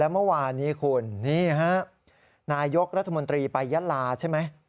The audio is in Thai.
แล้วเมื่อวานนี้คุณนายกรัฐมนตรีไปยัดลาใช่ไหม